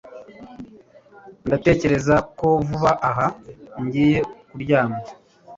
Ndatekereza ko vuba aha ngiye kuryama